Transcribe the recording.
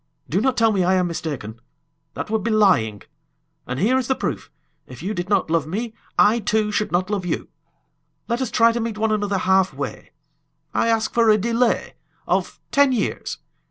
Do not tell me I am mistaken! That would be lying. And here is the proof: if you did not love me, I, too, should not love you! Let us try to meet one another halfway. I ask for a delay of ten years.